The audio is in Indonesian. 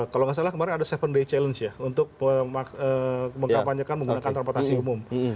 kalau nggak salah kemarin ada tujuh day challenge ya untuk mengkampanyekan menggunakan transportasi umum